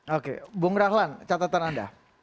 oke bung rahlan catatan anda